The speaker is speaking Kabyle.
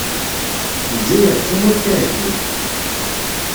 Lezzayer d tamurt taɛejgult.